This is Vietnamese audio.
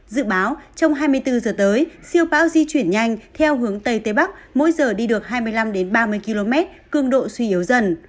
dự báo trong hai mươi bốn giờ tới siêu bão di chuyển nhanh theo hướng tây tây bắc mỗi giờ đi được hai mươi năm ba mươi km cường độ suy yếu dần